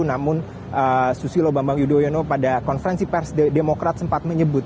namun susilo bambang yudhoyono pada konferensi pers demokrat sempat menyebut